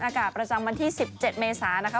อากาศประจำวันที่๑๗เมษานะคะ